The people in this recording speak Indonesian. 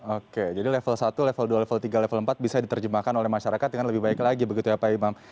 oke jadi level satu level dua level tiga level empat bisa diterjemahkan oleh masyarakat dengan lebih baik lagi begitu ya pak imam